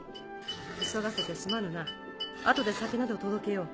急がせてすまぬな後で酒など届けよう。